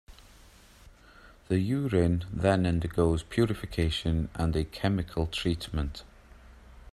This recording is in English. The urine then undergoes purification and a chemical treatment.